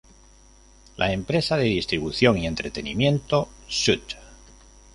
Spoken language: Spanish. La empresa de distribución y entretenimiento "Shout!